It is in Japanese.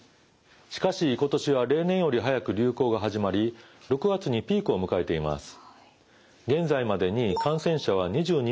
しかし今年は例年より早く流行が始まり６月にピークを迎えています。